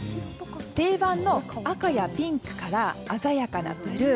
定番の赤やピンクから鮮やかなブルー